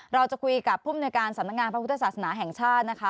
เราจะคุยกับผู้มนุยการสำนักงานพระพุทธศาสนาแห่งชาตินะคะ